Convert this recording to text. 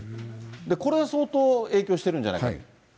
これが相当影響してるんじゃないかと。